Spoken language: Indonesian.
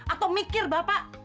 atau mikir bapak